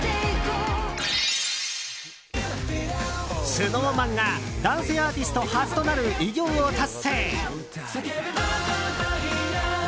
ＳｎｏｗＭａｎが男性アーティスト初となる偉業を達成。